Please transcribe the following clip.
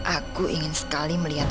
aku ingin sekali melihat